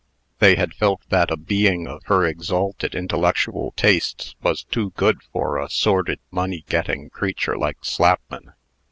They had felt that a being of her exalted intellectual tastes was too good for a sordid money getting creature like Slapman.